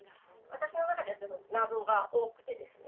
私の中では謎が多くてですね。